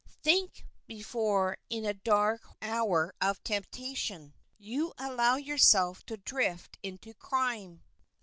Think before, in a dark hour of temptation, you allow yourself to drift into crime.